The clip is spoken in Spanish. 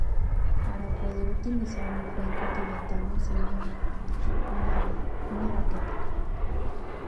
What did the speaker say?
Para poder utilizar un cuenco tibetano se usa normalmente una "baqueta".